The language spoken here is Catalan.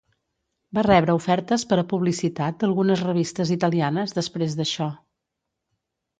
Va rebre ofertes per a publicitat d'algunes revistes italianes després d'això.